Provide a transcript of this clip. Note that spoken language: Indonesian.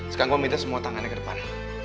sekarang kau minta semua tangannya ke depan